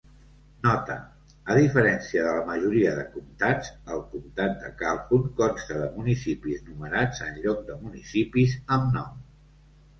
Nota: A diferència de la majoria de comtats, el comtat de Calhoun consta de municipis numerats en lloc de municipis amb nom.